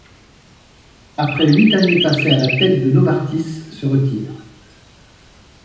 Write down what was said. Après huit années passées à la tête de Novartis, se retire.